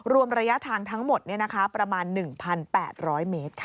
รวมระยะทางทั้งหมดประมาณ๑๘๐๐เมตรค่ะ